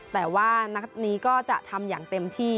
แต่ว่านัดนี้ก็จะทำอย่างเต็มที่